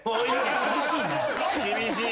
厳しい。